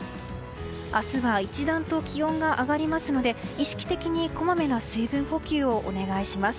明日は一段と気温が上がりますので意識的にこまめな水分補給をお願いします。